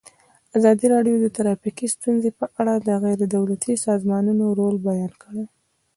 ازادي راډیو د ټرافیکي ستونزې په اړه د غیر دولتي سازمانونو رول بیان کړی.